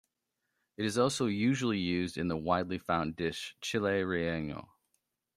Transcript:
It is also usually used in the widely found dish "chile relleno".